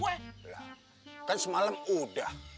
belah kan semalam udah